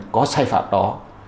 có sai phạm đó